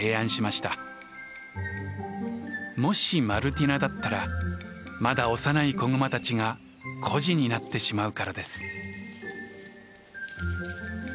もしマルティナだったらまだ幼い子グマたちが孤児になってしまうからです。